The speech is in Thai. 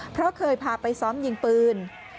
เพราะเคยพาไปซ้อมยิงปืน